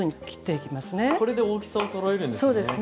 これで大きさをそろえるんですね。